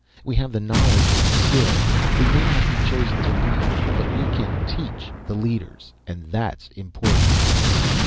We have the knowledge and the skill. We may not be chosen to lead, but we can teach the leaders. And that's important."